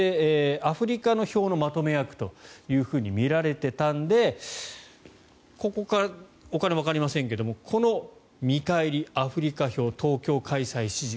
アフリカの票のまとめ役とみられていたのでお金はわかりませんがこの見返りアフリカ票、東京開催支持